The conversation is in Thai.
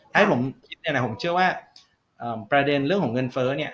ถ้าให้ผมคิดเนี่ยนะผมเชื่อว่าประเด็นเรื่องของเงินเฟ้อเนี่ย